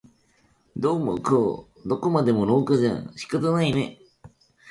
どうもこうどこまでも廊下じゃ仕方ないね